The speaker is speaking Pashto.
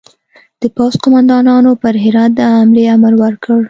د پوځ قوماندانانو پر هرات د حملې امر ورکړ.